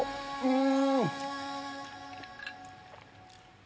うん！